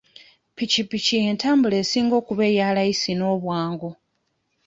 Ppikippiki y'entambula esinga okuba eya layisi n'obwangu.